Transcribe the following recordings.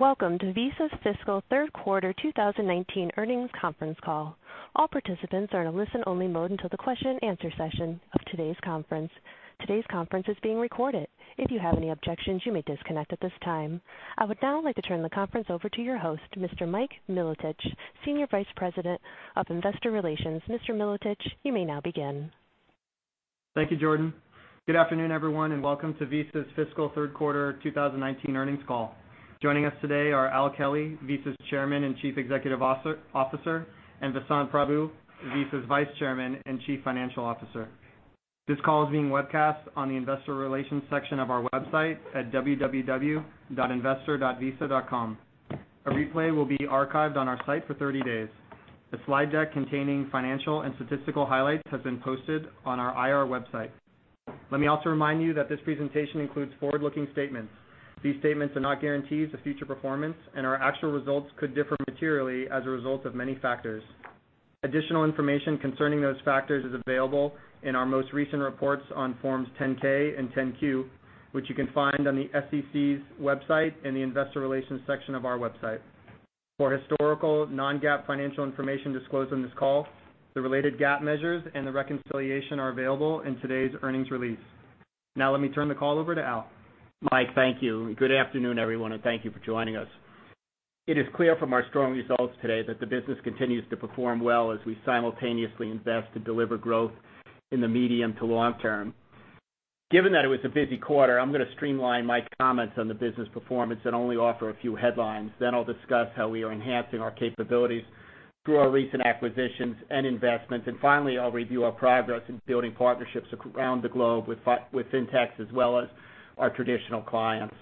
Welcome to Visa's Fiscal Third Quarter 2019 Earnings Conference Call. All participants are in a listen-only mode until the question and answer session of today's conference. Today's conference is being recorded. If you have any objections, you may disconnect at this time. I would now like to turn the conference over to your host, Mr. Mike Milotich, Senior Vice President of Investor Relations. Mr. Milotich, you may now begin. Thank you, Jordan. Good afternoon, everyone, and welcome to Visa's fiscal third quarter 2019 earnings call. Joining us today are Al Kelly, Visa's Chairman and Chief Executive Officer, and Vasant Prabhu, Visa's Vice Chairman and Chief Financial Officer. This call is being webcast on the investor relations section of our website at www.investor.visa.com. A replay will be archived on our site for 30 days. The slide deck containing financial and statistical highlights has been posted on our IR website. Let me also remind you that this presentation includes forward-looking statements. These statements are not guarantees of future performance, and our actual results could differ materially as a result of many factors. Additional information concerning those factors is available in our most recent reports on forms 10-K and 10-Q, which you can find on the SEC's website and the investor relations section of our website. For historical non-GAAP financial information disclosed on this call, the related GAAP measures and the reconciliation are available in today's earnings release. Now let me turn the call over to Al. Mike, thank you. Good afternoon, everyone, thank you for joining us. It is clear from our strong results today that the business continues to perform well as we simultaneously invest to deliver growth in the medium to long term. Given that it was a busy quarter, I'm going to streamline my comments on the business performance and only offer a few headlines. I'll discuss how we are enhancing our capabilities through our recent acquisitions and investments. Finally, I'll review our progress in building partnerships around the globe with fintechs as well as our traditional clients.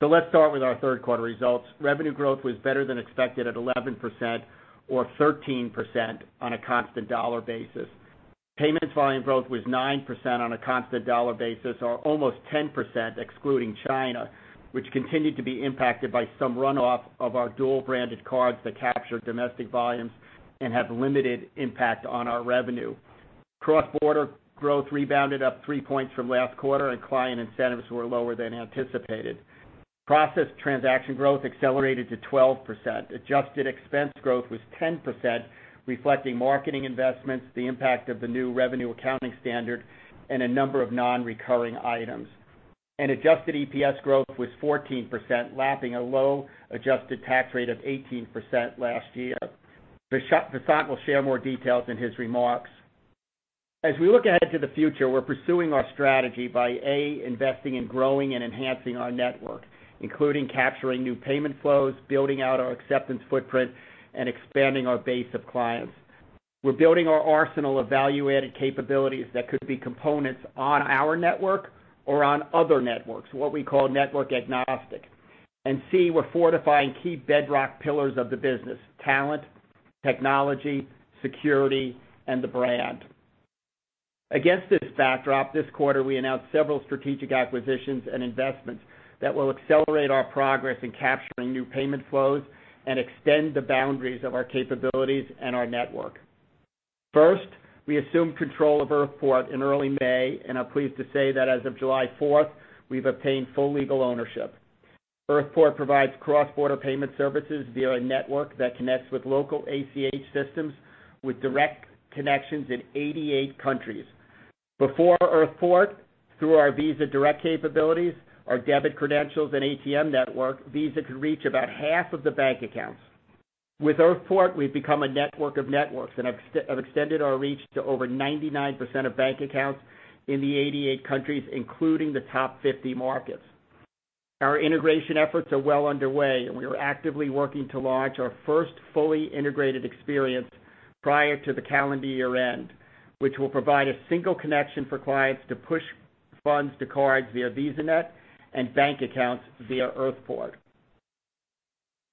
Let's start with our third quarter results. Revenue growth was better than expected at 11% or 13% on a constant dollar basis. Payments volume growth was 9% on a constant dollar basis, or almost 10% excluding China, which continued to be impacted by some runoff of our dual-branded cards that capture domestic volumes and have limited impact on our revenue. Cross-border growth rebounded up three points from last quarter, and client incentives were lower than anticipated. Processed transaction growth accelerated to 12%. Adjusted expense growth was 10%, reflecting marketing investments, the impact of the new revenue accounting standard, and a number of non-recurring items. Adjusted EPS growth was 14%, lapping a low adjusted tax rate of 18% last year. Vasant will share more details in his remarks. As we look ahead to the future, we're pursuing our strategy by, A, investing in growing and enhancing our network, including capturing new payment flows, building out our acceptance footprint, and expanding our base of clients. We're building our arsenal of value-added capabilities that could be components on our network or on other networks, what we call network agnostic. C, we're fortifying key bedrock pillars of the business, talent, technology, security, and the brand. Against this backdrop, this quarter, we announced several strategic acquisitions and investments that will accelerate our progress in capturing new payment flows and extend the boundaries of our capabilities and our network. First, we assumed control of Earthport in early May, and I'm pleased to say that as of July 4th, we've obtained full legal ownership. Earthport provides cross-border payment services via a network that connects with local ACH systems with direct connections in 88 countries. Before Earthport, through our Visa Direct capabilities, our debit credentials, and ATM network, Visa could reach about half of the bank accounts. With Earthport, we've become a network of networks and have extended our reach to over 99% of bank accounts in the 88 countries, including the top 50 markets. Our integration efforts are well underway, and we are actively working to launch our first fully integrated experience prior to the calendar year-end, which will provide a single connection for clients to push funds to cards via VisaNet and bank accounts via Earthport.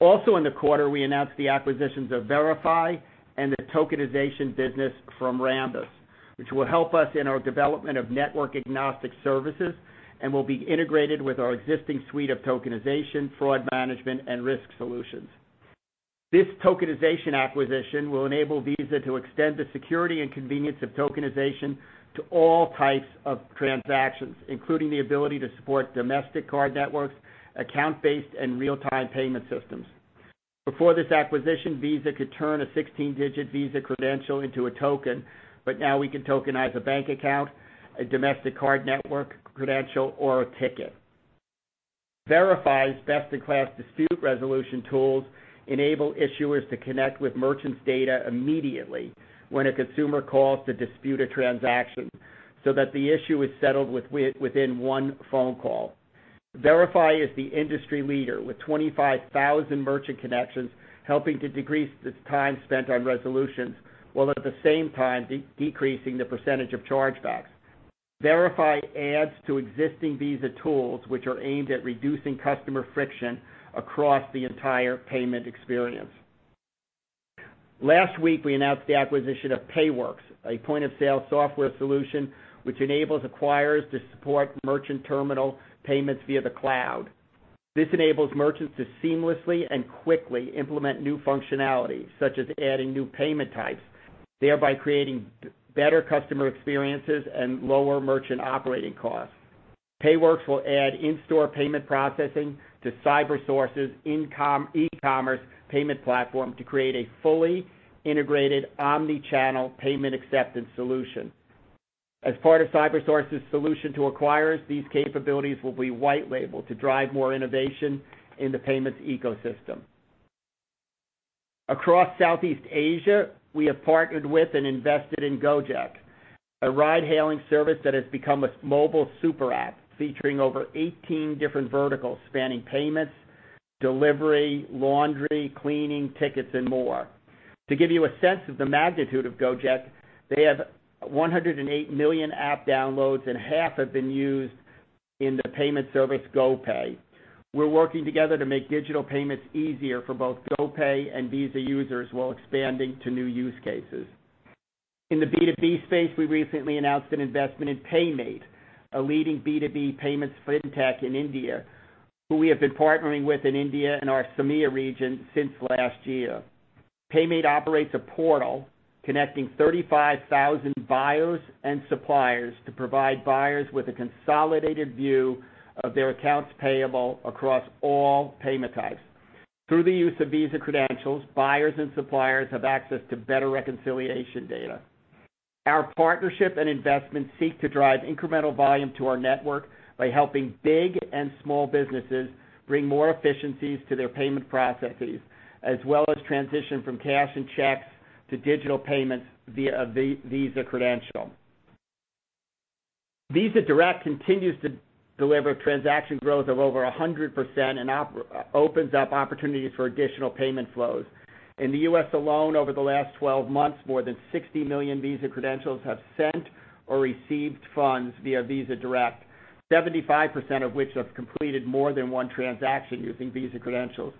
Also in the quarter, we announced the acquisitions of Verifi and the tokenization business from Rambus, which will help us in our development of network-agnostic services and will be integrated with our existing suite of tokenization, fraud management, and risk solutions. This tokenization acquisition will enable Visa to extend the security and convenience of tokenization to all types of transactions, including the ability to support domestic card networks, account-based, and real-time payment systems. Before this acquisition, Visa could turn a 16-digit Visa credential into a token. Now we can tokenize a bank account, a domestic card network credential, or a ticket. Verifi's best-in-class dispute resolution tools enable issuers to connect with merchants' data immediately when a consumer calls to dispute a transaction so that the issue is settled within one phone call. Verifi is the industry leader with 25,000 merchant connections, helping to decrease the time spent on resolutions, while at the same time, decreasing the percentage of chargebacks. Verifi adds to existing Visa tools, which are aimed at reducing customer friction across the entire payment experience. Last week, we announced the acquisition of Payworks, a point-of-sale software solution which enables acquirers to support merchant terminal payments via the cloud. This enables merchants to seamlessly and quickly implement new functionality, such as adding new payment types, thereby creating better customer experiences and lower merchant operating costs. Payworks will add in-store payment processing to Cybersource's eCommerce payment platform to create a fully integrated omni-channel payment acceptance solution. As part of Cybersource's solution to acquirers, these capabilities will be white labeled to drive more innovation in the payments ecosystem. Across Southeast Asia, we have partnered with and invested in Gojek, a ride-hailing service that has become a mobile super app featuring over 18 different verticals spanning payments, delivery, laundry, cleaning, tickets, and more. To give you a sense of the magnitude of Gojek, they have 108 million app downloads, and half have been used in the payment service, GoPay. We're working together to make digital payments easier for both GoPay and Visa users while expanding to new use cases. In the B2B space, we recently announced an investment in PayMate, a leading B2B payments fintech in India, who we have been partnering with in India and our MEA region since last year. PayMate operates a portal connecting 35,000 buyers and suppliers to provide buyers with a consolidated view of their accounts payable across all payment types. Through the use of Visa credentials, buyers and suppliers have access to better reconciliation data. Our partnership and investment seek to drive incremental volume to our network by helping big and small businesses bring more efficiencies to their payment processes, as well as transition from cash and checks to digital payments via Visa credential. Visa Direct continues to deliver transaction growth of over 100% and opens up opportunities for additional payment flows. In the U.S. alone, over the last 12 months, more than 60 million Visa credentials have sent or received funds via Visa Direct, 75% of which have completed more than one transaction using Visa credentials.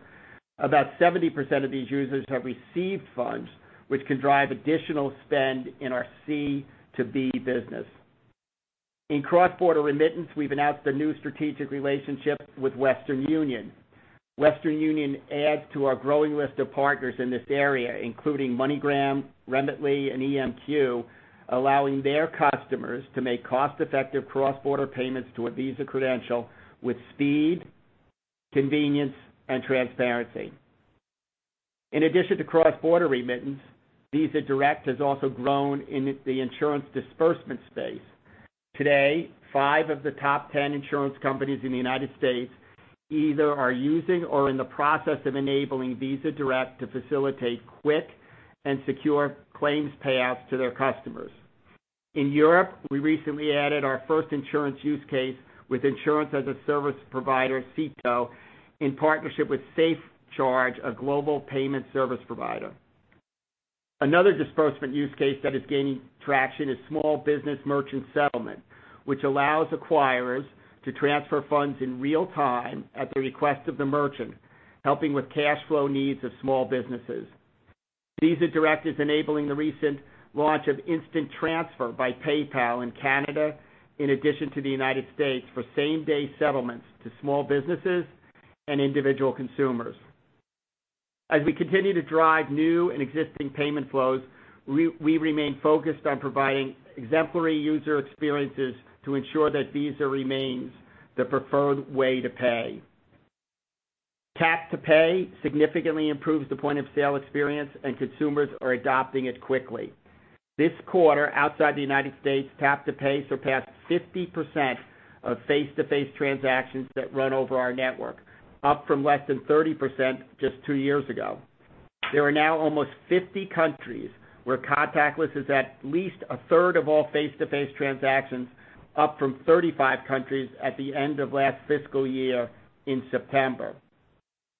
About 70% of these users have received funds, which can drive additional spend in our C2B business. In cross-border remittance, we've announced a new strategic relationship with Western Union. Western Union adds to our growing list of partners in this area, including MoneyGram, Remitly, and EMQ, allowing their customers to make cost-effective cross-border payments to a Visa credential with speed, convenience, and transparency. In addition to cross-border remittance, Visa Direct has also grown in the insurance disbursement space. Today, five of the top 10 insurance companies in the United States either are using or are in the process of enabling Visa Direct to facilitate quick and secure claims payouts to their customers. In Europe, we recently added our first insurance use case with insurance as a service provider, Setoo, in partnership with SafeCharge, a global payment service provider. Another disbursement use case that is gaining traction is small business merchant settlement, which allows acquirers to transfer funds in real time at the request of the merchant, helping with cash flow needs of small businesses. Visa Direct is enabling the recent launch of Instant Transfer by PayPal in Canada, in addition to the U.S., for same-day settlements to small businesses and individual consumers. As we continue to drive new and existing payment flows, we remain focused on providing exemplary user experiences to ensure that Visa remains the preferred way to pay. Tap to pay significantly improves the point-of-sale experience, and consumers are adopting it quickly. This quarter, outside the U.S., tap-to-pay surpassed 50% of face-to-face transactions that run over our network, up from less than 30% just two years ago. There are now almost 50 countries where contactless is at least a third of all face-to-face transactions, up from 35 countries at the end of last fiscal year in September.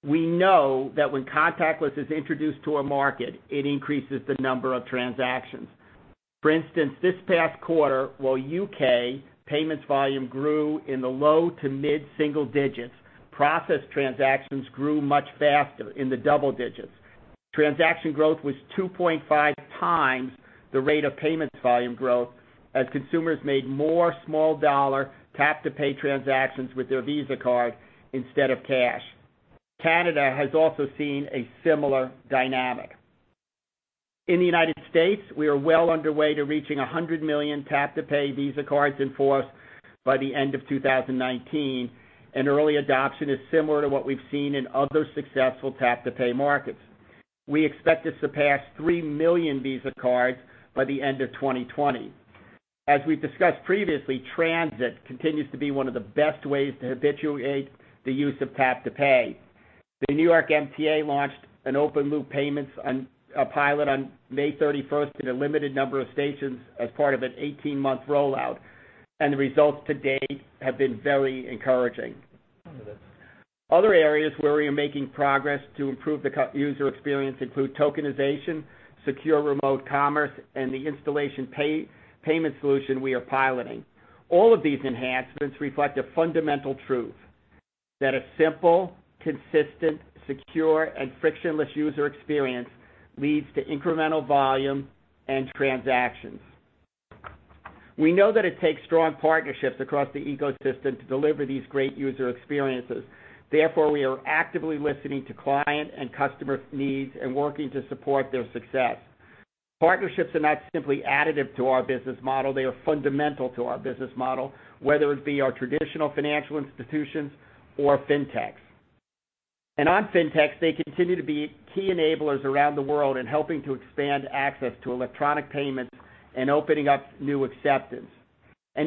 We know that when contactless is introduced to a market, it increases the number of transactions. For instance, this past quarter, while U.K. payments volume grew in the low to mid-single digits, processed transactions grew much faster in the double digits. Transaction growth was 2.5x the rate of payments volume growth as consumers made more small-dollar tap-to-pay transactions with their Visa card instead of cash. Canada has also seen a similar dynamic. In the U.S., we are well underway to reaching $100 million tap-to-pay Visa cards in force by the end of 2019. Early adoption is similar to what we've seen in other successful tap-to-pay markets. We expect to surpass $3 million Visa cards by the end of 2020. As we've discussed previously, transit continues to be one of the best ways to habituate the use of tap to pay. The New York MTA launched an open-loop payments pilot on May 31st in a limited number of stations as part of an 18-month rollout. The results to date have been very encouraging. Other areas where we are making progress to improve the user experience include tokenization, secure remote commerce, and the installment payment solution we are piloting. All of these enhancements reflect a fundamental truth, that a simple, consistent, secure, and frictionless user experience leads to incremental volume and transactions. We know that it takes strong partnerships across the ecosystem to deliver these great user experiences. Therefore, we are actively listening to client and customer needs and working to support their success. Partnerships are not simply additive to our business model, they are fundamental to our business model, whether it be our traditional financial institutions or fintechs. On fintechs, they continue to be key enablers around the world in helping to expand access to electronic payments and opening up new acceptance.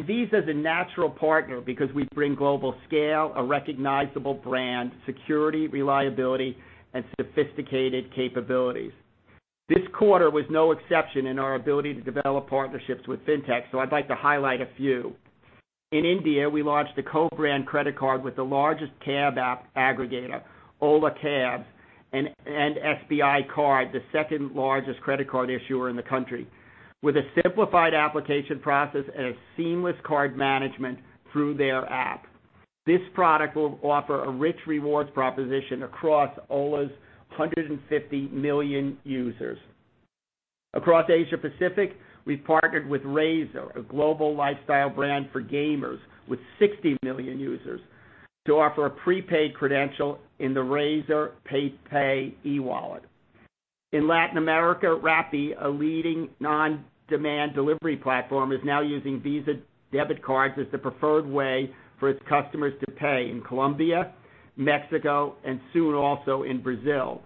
Visa is a natural partner because we bring global scale, a recognizable brand, security, reliability, and sophisticated capabilities. This quarter was no exception in our ability to develop partnerships with fintechs, I'd like to highlight a few. In India, we launched a co-brand credit card with the largest cab app aggregator, Ola Cabs, and SBI Card, the second-largest credit card issuer in the country, with a simplified application process and a seamless card management through their app. This product will offer a rich rewards proposition across Ola's 150 million users. Across Asia Pacific, we've partnered with Razer, a global lifestyle brand for gamers with 60 million users, to offer a prepaid credential in the Razer Pay e-wallet. In Latin America, Rappi, a leading on-demand delivery platform, is now using Visa debit cards as the preferred way for its customers to pay in Colombia, Mexico, and soon also in Brazil.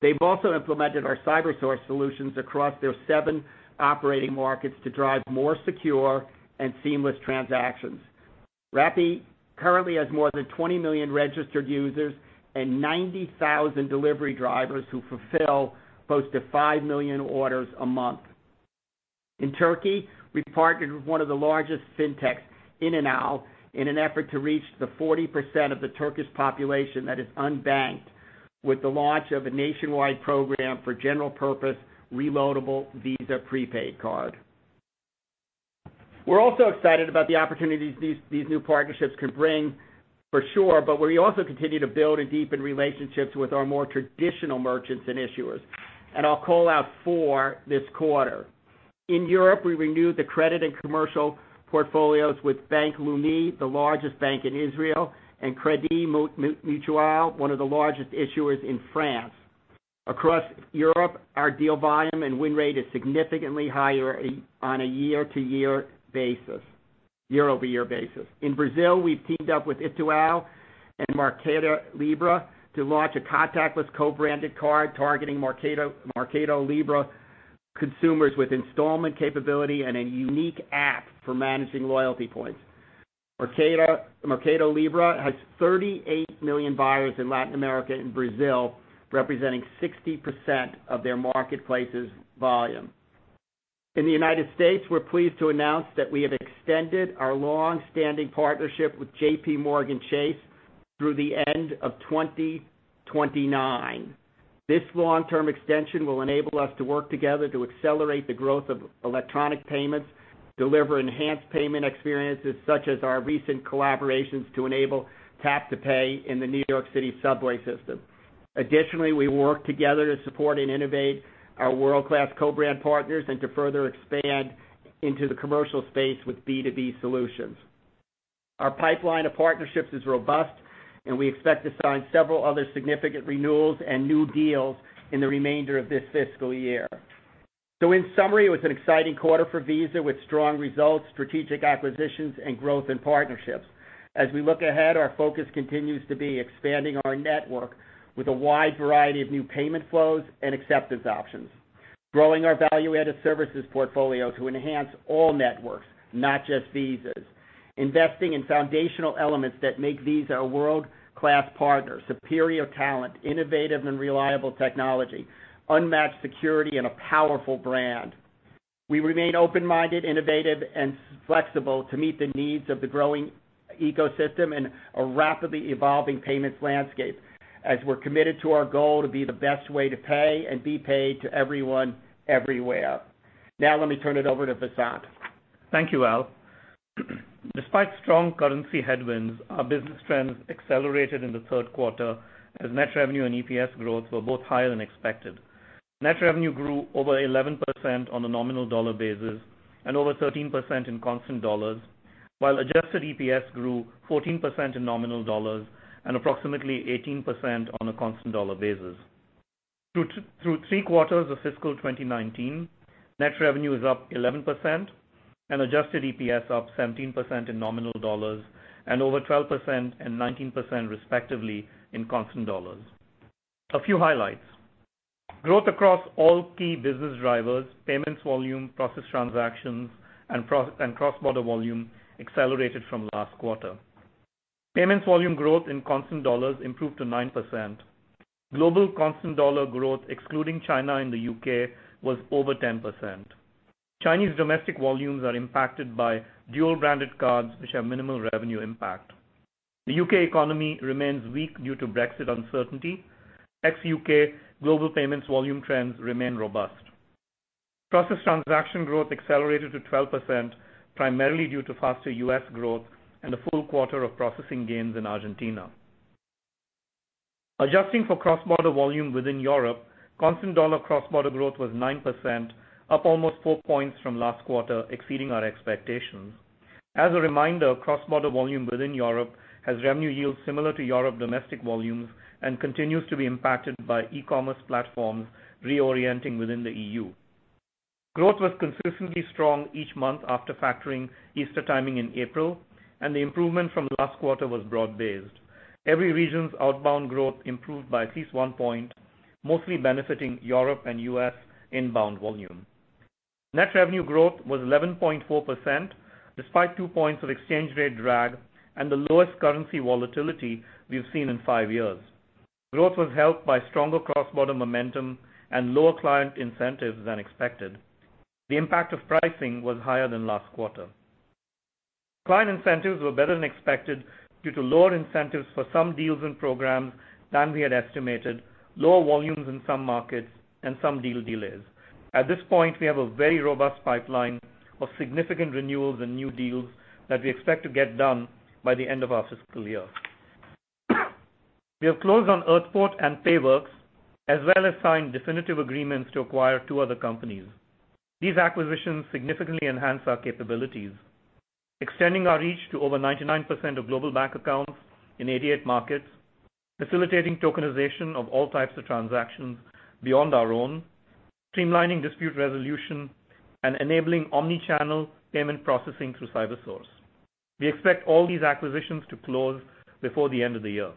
They've also implemented our Cybersource solutions across their seven operating markets to drive more secure and seamless transactions. Rappi currently has more than 20 million registered users and 90,000 delivery drivers who fulfill close to 5 million orders a month. In Turkey, we've partnered with one of the largest fintechs, ininal, in an effort to reach the 40% of the Turkish population that is unbanked with the launch of a nationwide program for general purpose, reloadable Visa prepaid card. We're also excited about the opportunities these new partnerships can bring for sure, but we also continue to build and deepen relationships with our more traditional merchants and issuers. I'll call out four this quarter. In Europe, we renewed the credit and commercial portfolios with Bank Leumi, the largest bank in Israel, and Crédit Mutuel, one of the largest issuers in France. Across Europe, our deal volume and win rate is significantly higher on a year-over-year basis. In Brazil, we've teamed up with Itaú and MercadoLibre to launch a contactless co-branded card targeting MercadoLibre consumers with installment capability and a unique app for managing loyalty points. MercadoLibre has 38 million buyers in Latin America and Brazil, representing 60% of their marketplace's volume. In the United States, we're pleased to announce that we have extended our long-standing partnership with JPMorgan Chase through the end of 2029. This long-term extension will enable us to work together to accelerate the growth of electronic payments, deliver enhanced payment experiences, such as our recent collaborations to enable tap-to-pay in the New York City subway system. Additionally, we work together to support and innovate our world-class co-brand partners and to further expand into the commercial space with B2B solutions. Our pipeline of partnerships is robust, and we expect to sign several other significant renewals and new deals in the remainder of this fiscal year. In summary, it was an exciting quarter for Visa with strong results, strategic acquisitions, and growth in partnerships. As we look ahead, our focus continues to be expanding our network with a wide variety of new payment flows and acceptance options, growing our value-added services portfolio to enhance all networks, not just Visa's, investing in foundational elements that make Visa a world-class partner, superior talent, innovative and reliable technology, unmatched security, and a powerful brand. We remain open-minded, innovative, and flexible to meet the needs of the growing ecosystem and a rapidly evolving payments landscape as we're committed to our goal to be the best way to pay and be paid to everyone, everywhere. Now, let me turn it over to Vasant. Thank you, Al. Despite strong currency headwinds, our business trends accelerated in the third quarter as net revenue and EPS growth were both higher than expected. Net revenue grew over 11% on a nominal dollar basis and over 13% in constant dollars, while adjusted EPS grew 14% in nominal dollars and approximately 18% on a constant dollar basis. Through three quarters of fiscal 2019, net revenue is up 11% and adjusted EPS up 17% in nominal dollars and over 12% and 19%, respectively, in constant dollars. A few highlights. Growth across all key business drivers, payments volume, processed transactions, and cross-border volume accelerated from last quarter. Payments volume growth in constant dollars improved to 9%. Global constant dollar growth, excluding China and the U.K., was over 10%. Chinese domestic volumes are impacted by dual-branded cards, which have minimal revenue impact. The U.K. economy remains weak due to Brexit uncertainty. ex-U.K. global payments volume trends remain robust. Processed transaction growth accelerated to 12%, primarily due to faster U.S. growth and a full quarter of processing gains in Argentina. Adjusting for cross-border volume within Europe, constant dollar cross-border growth was 9%, up almost four points from last quarter, exceeding our expectations. As a reminder, cross-border volume within Europe has revenue yields similar to Europe domestic volumes and continues to be impacted by e-commerce platforms reorienting within the E.U. Growth was consistently strong each month after factoring Easter timing in April, and the improvement from last quarter was broad-based. Every region's outbound growth improved by at least one point, mostly benefiting Europe and U.S. inbound volume. Net revenue growth was 11.4%, despite two points of exchange rate drag and the lowest currency volatility we've seen in five years. Growth was helped by stronger cross-border momentum and lower client incentives than expected. The impact of pricing was higher than last quarter. Client incentives were better than expected due to lower incentives for some deals and programs than we had estimated, lower volumes in some markets, and some deal delays. At this point, we have a very robust pipeline of significant renewals and new deals that we expect to get done by the end of our fiscal year. We have closed on Earthport and Payworks, as well as signed definitive agreements to acquire two other companies. These acquisitions significantly enhance our capabilities, extending our reach to over 99% of global bank accounts in 88 markets, facilitating tokenization of all types of transactions beyond our own, streamlining dispute resolution, and enabling omni-channel payment processing through Cybersource. We expect all these acquisitions to close before the end of the year.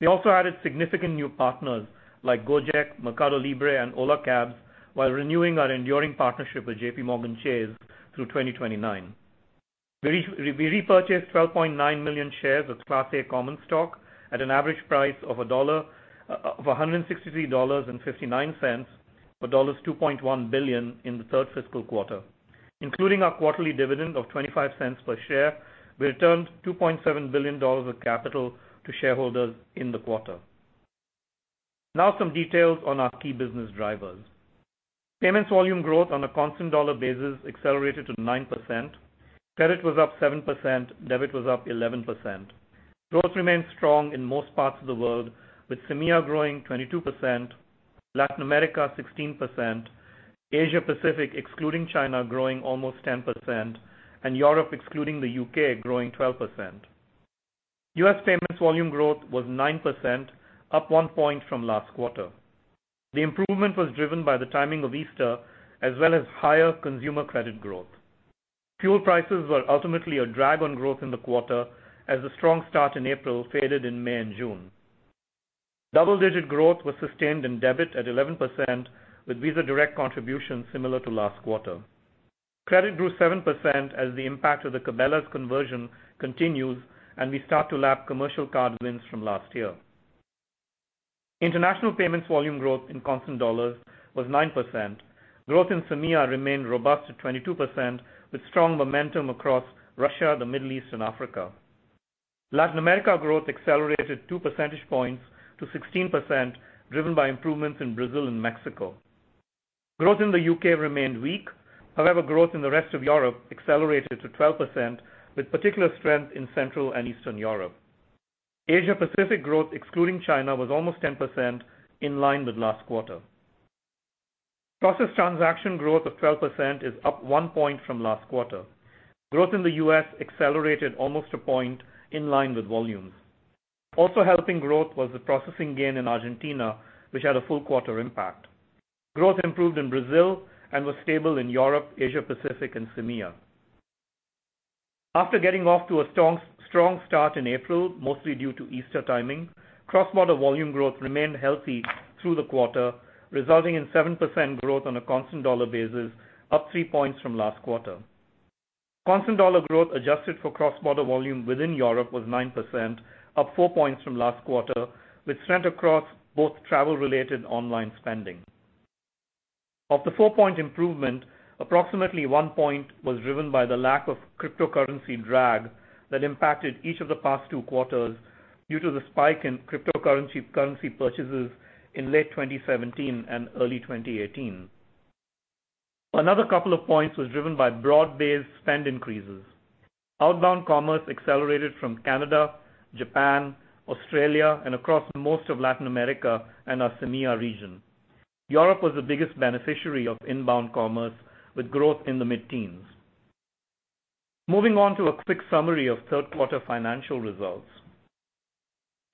We also added significant new partners like Gojek, MercadoLibre and Ola Cabs, while renewing our enduring partnership with JPMorgan Chase through 2029. We repurchased 12.9 million shares of Class A common stock at an average price of $163.59 for $2.1 billion in the third fiscal quarter. Including our quarterly dividend of $0.25 per share, we returned $2.7 billion of capital to shareholders in the quarter. Now some details on our key business drivers. Payments volume growth on a constant dollar basis accelerated to 9%. Credit was up 7%, debit was up 11%. Growth remained strong in most parts of the world, with CEMEA growing 22%, Latin America 16%, Asia Pacific, excluding China, growing almost 10%, and Europe, excluding the U.K., growing 12%. U.S. payments volume growth was 9%, up one point from last quarter. The improvement was driven by the timing of Easter as well as higher consumer credit growth. Fuel prices were ultimately a drag on growth in the quarter as the strong start in April faded in May and June. Double-digit growth was sustained in debit at 11%, with Visa Direct contribution similar to last quarter. Credit grew 7% as the impact of the Cabela's conversion continues and we start to lap commercial card wins from last year. International payments volume growth in constant dollars was 9%. Growth in CEMEA remained robust at 22%, with strong momentum across Russia, the Middle East, and Africa. Latin America growth accelerated two percentage points to 16%, driven by improvements in Brazil and Mexico. Growth in the U.K. remained weak. Growth in the rest of Europe accelerated to 12%, with particular strength in Central and Eastern Europe. Asia Pacific growth, excluding China, was almost 10%, in line with last quarter. Processed transaction growth of 12% is up one point from last quarter. Growth in the U.S. accelerated almost a point in line with volumes. Also helping growth was the processing gain in Argentina, which had a full quarter impact. Growth improved in Brazil and was stable in Europe, Asia Pacific and CEMEA. After getting off to a strong start in April, mostly due to Easter timing, cross-border volume growth remained healthy through the quarter, resulting in 7% growth on a constant dollar basis, up three points from last quarter. Constant dollar growth adjusted for cross-border volume within Europe was 9%, up four points from last quarter, with strength across both travel-related online spending. Of the four-point improvement, approximately one point was driven by the lack of cryptocurrency drag that impacted each of the past two quarters due to the spike in cryptocurrency purchases in late 2017 and early 2018. Another couple of points was driven by broad-based spend increases. Outbound commerce accelerated from Canada, Japan, Australia, and across most of Latin America and our CEMEA region. Europe was the biggest beneficiary of inbound commerce, with growth in the mid-teens. Moving on to a quick summary of third-quarter financial results.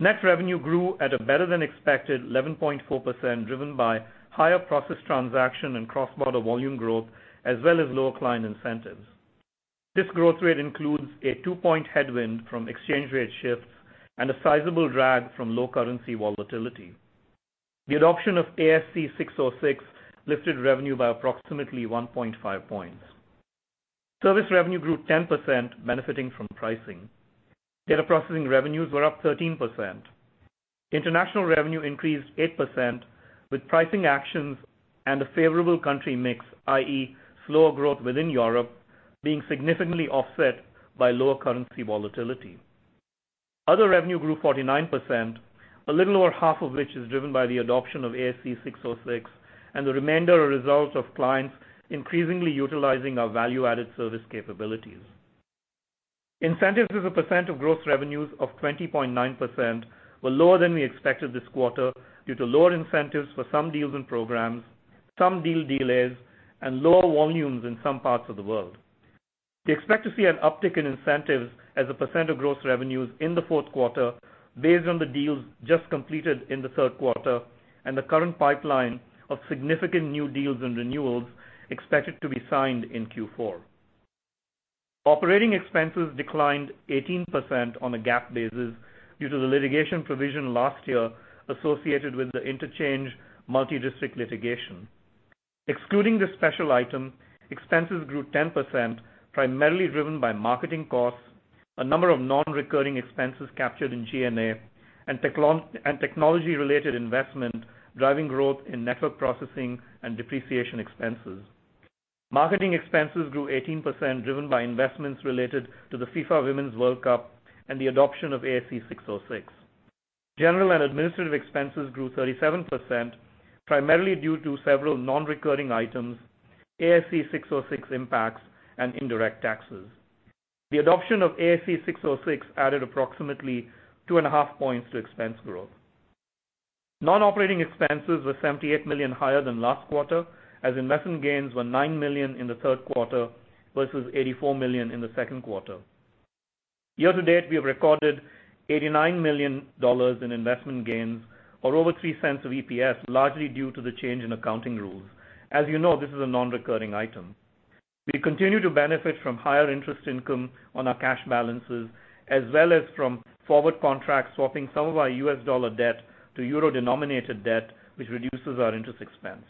Net revenue grew at a better-than-expected 11.4%, driven by higher processed transaction and cross-border volume growth, as well as lower client incentives. This growth rate includes a two-point headwind from exchange rate shifts and a sizable drag from low currency volatility. The adoption of ASC 606 lifted revenue by approximately 1.5 points. Service revenue grew 10%, benefiting from pricing. Data processing revenues were up 13%. International revenue increased 8%, with pricing actions and a favorable country mix, i.e., slower growth within Europe, being significantly offset by lower currency volatility. Other revenue grew 49%, a little over half of which is driven by the adoption of ASC 606 and the remainder a result of clients increasingly utilizing our value-added service capabilities. Incentives as a percent of gross revenues of 20.9% were lower than we expected this quarter due to lower incentives for some deals and programs, some deal delays, and lower volumes in some parts of the world. We expect to see an uptick in incentives as a percent of gross revenues in the fourth quarter based on the deals just completed in the third quarter and the current pipeline of significant new deals and renewals expected to be signed in Q4. Operating expenses declined 18% on a GAAP basis due to the litigation provision last year associated with the interchange multi-district litigation. Excluding this special item, expenses grew 10%, primarily driven by marketing costs, a number of non-recurring expenses captured in G&A and technology-related investment driving growth in network processing and depreciation expenses. Marketing expenses grew 18%, driven by investments related to the FIFA Women's World Cup and the adoption of ASC 606. General and administrative expenses grew 37%, primarily due to several non-recurring items, ASC 606 impacts, and indirect taxes. The adoption of ASC 606 added approximately 2.5 points to expense growth. Non-operating expenses were $78 million higher than last quarter, as investment gains were $9 million in the third quarter versus $84 million in the second quarter. Year to date, we have recorded $89 million in investment gains, or over $0.03 of EPS, largely due to the change in accounting rules. As you know, this is a non-recurring item. We continue to benefit from higher interest income on our cash balances as well as from forward contracts swapping some of our U.S. dollar debt to euro-denominated debt, which reduces our interest expense.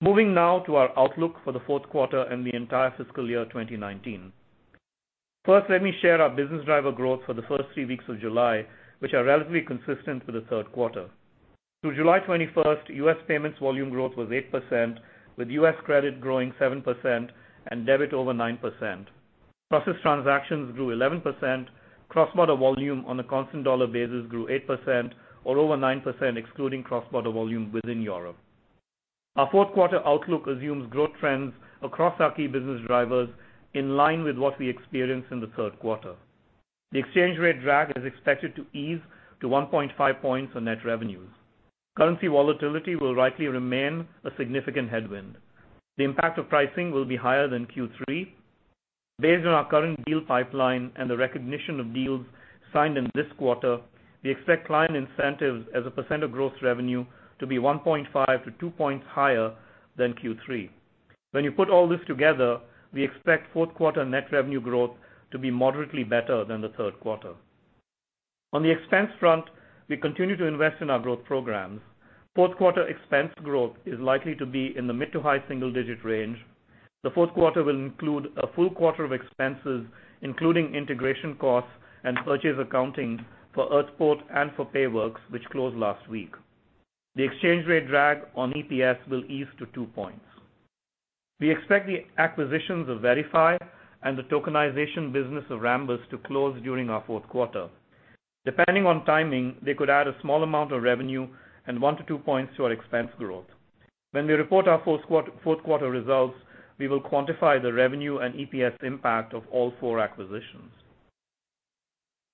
Moving now to our outlook for the fourth quarter and the entire fiscal year 2019. First, let me share our business driver growth for the first three weeks of July, which are relatively consistent with the third quarter. Through July 21st, U.S. payments volume growth was 8%, with U.S. credit growing 7% and debit over 9%. Processed transactions grew 11%. Cross-border volume on a constant dollar basis grew 8%, or over 9% excluding cross-border volume within Europe. Our fourth quarter outlook assumes growth trends across our key business drivers in line with what we experienced in the third quarter. The exchange rate drag is expected to ease to 1.5 points on net revenues. Currency volatility will likely remain a significant headwind. The impact of pricing will be higher than Q3. Based on our current deal pipeline and the recognition of deals signed in this quarter, we expect client incentives as a % of gross revenue to be 1.5-2 points higher than Q3. When you put all this together, we expect fourth quarter net revenue growth to be moderately better than the third quarter. On the expense front, we continue to invest in our growth programs. Fourth quarter expense growth is likely to be in the mid to high single-digit range. The fourth quarter will include a full quarter of expenses, including integration costs and purchase accounting for Earthport and for Payworks, which closed last week. The exchange rate drag on EPS will ease to two points. We expect the acquisitions of Verifi and the tokenization business of Rambus to close during our fourth quarter. Depending on timing, they could add a small amount of revenue and one to two points to our expense growth. When we report our fourth quarter results, we will quantify the revenue and EPS impact of all four acquisitions.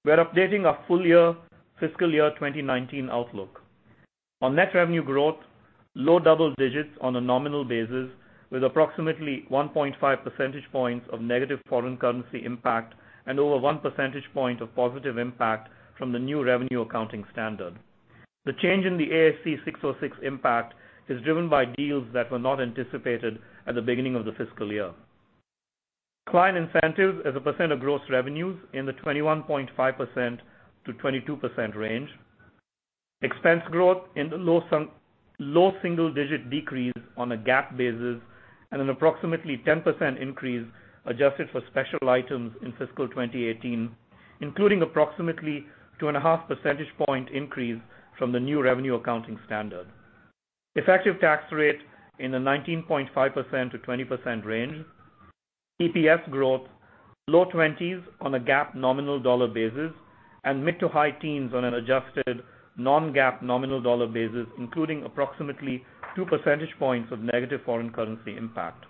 We're updating our full year fiscal year 2019 outlook. On net revenue growth, low double digits on a nominal basis with approximately 1.5 percentage points of negative foreign currency impact and over one percentage point of positive impact from the new revenue accounting standard. The change in the ASC 606 impact is driven by deals that were not anticipated at the beginning of the fiscal year. Client incentives as a % of gross revenues in the 21.5%-22% range. Expense growth in the low single-digit decrease on a GAAP basis and an approximately 10% increase adjusted for special items in fiscal 2018, including approximately two and a half percentage point increase from the new revenue accounting standard. Effective tax rate in the 19.5%-20% range. EPS growth low 20s on a GAAP nominal dollar basis and mid to high teens on an adjusted non-GAAP nominal dollar basis, including approximately two percentage points of negative foreign currency impact.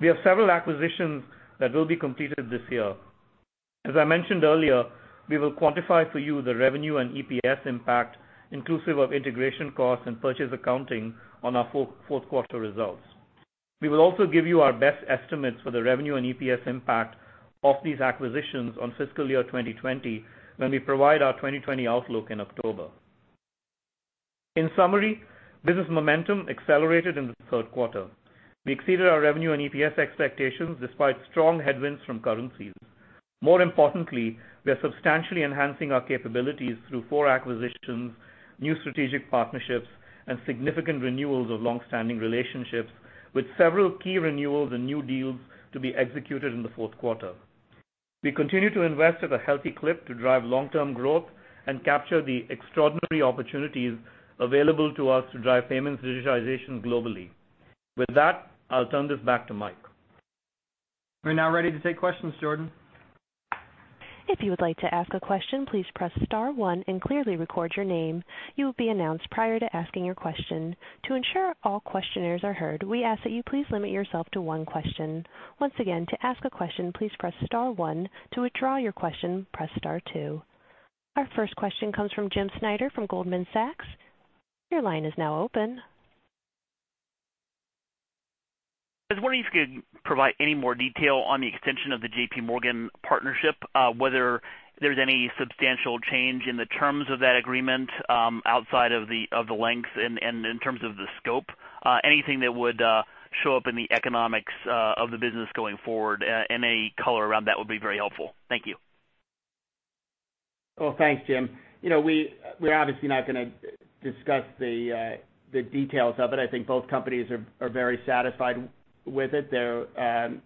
We have several acquisitions that will be completed this year. As I mentioned earlier, we will quantify for you the revenue and EPS impact inclusive of integration costs and purchase accounting on our fourth quarter results. We will also give you our best estimates for the revenue and EPS impact of these acquisitions on fiscal year 2020 when we provide our 2020 outlook in October. In summary, business momentum accelerated in the third quarter. We exceeded our revenue and EPS expectations despite strong headwinds from currencies. More importantly, we are substantially enhancing our capabilities through four acquisitions, new strategic partnerships, and significant renewals of long-standing relationships with several key renewals and new deals to be executed in the fourth quarter. We continue to invest at a healthy clip to drive long-term growth and capture the extraordinary opportunities available to us to drive payments digitization globally. With that, I'll turn this back to Mike. We're now ready to take questions, Jordan. If you would like to ask a question, please press star one and clearly record your name. You will be announced prior to asking your question. To ensure all questioners are heard, we ask that you please limit yourself to one question. Once again, to ask a question, please press star one. To withdraw your question, press star two. Our first question comes from Jim Schneider from Goldman Sachs. Your line is now open. I was wondering if you could provide any more detail on the extension of the J.P. Morgan partnership, whether there's any substantial change in the terms of that agreement outside of the length and in terms of the scope, anything that would show up in the economics of the business going forward. Any color around that would be very helpful. Thank you. Well, thanks, Jim. We're obviously not going to discuss the details of it. I think both companies are very satisfied with it. JPMorgan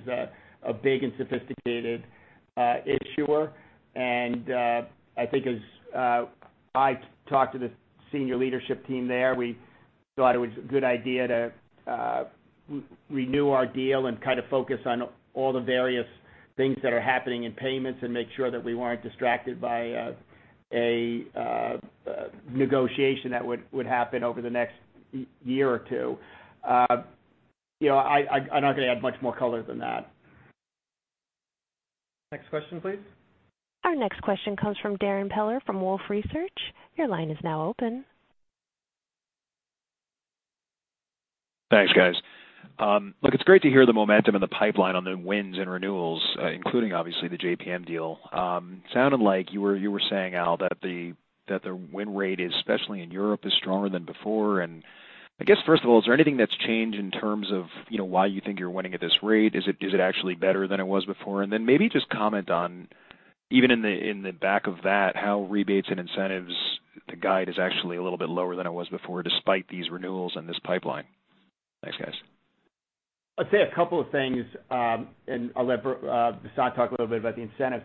is a big and sophisticated issuer, and I think as I talked to the senior leadership team there, we thought it was a good idea to renew our deal and focus on all the various things that are happening in payments and make sure that we weren't distracted by a negotiation that would happen over the next year or two. I'm not going to add much more color than that. Next question, please. Our next question comes from Darrin Peller from Wolfe Research. Your line is now open. Thanks, guys. Look, it's great to hear the momentum and the pipeline on the wins and renewals, including obviously the JPM deal. Sounded like you were saying, Al, that the win rate, especially in Europe, is stronger than before. I guess, first of all, is there anything that's changed in terms of why you think you're winning at this rate? Is it actually better than it was before? Then maybe just comment on, even in the back of that, how rebates and incentives, the guide is actually a little bit lower than it was before, despite these renewals and this pipeline. Thanks, guys. I'd say a couple of things, and I'll let Vasant talk a little bit about the incentives.